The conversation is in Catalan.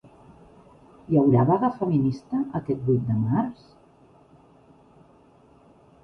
Hi haurà vaga feminista aquest vuit de març?